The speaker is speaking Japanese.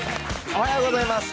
おはようございます。